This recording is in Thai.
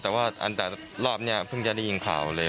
แต่ว่ารอบนี้เพิ่งจะได้ยินข่าวเลย